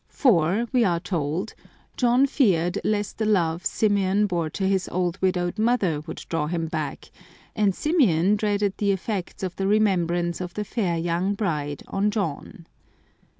For, we are told, John feared lest the love Symeon bore to his old widowed mother would draw him back, and Symeon dreaded the effects of the remembrance of the fair young bride on John.